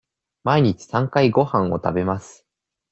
毎日三回ごはんを食べます。